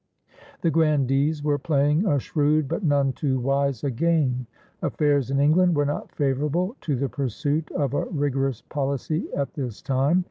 The "grandees" were playing a shrewd but none too wise a game. Affairs in England were not favorable to the pursuit of a rigorous policy at this time.